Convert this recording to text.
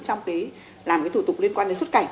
trong làm thủ tục liên quan đến xuất cảnh